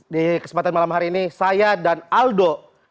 di kesempatan malam hari ini saya dan aldo